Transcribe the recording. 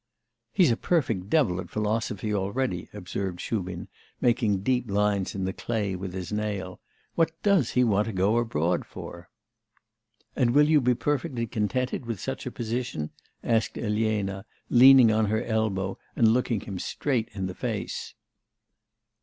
'He's a perfect devil at philosophy already,' observed Shubin, making deep lines in the clay with his nail. 'What does he want to go abroad for?' 'And will you be perfectly contented with such a position?' asked Elena, leaning on her elbow and looking him straight in the face.